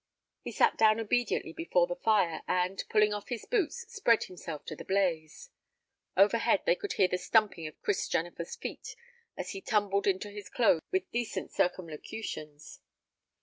He sat down obediently before the fire, and, pulling off his boots, spread himself to the blaze. Overhead they could hear the stumping of Chris Jennifer's feet as he tumbled into his clothes with decent circumlocutions.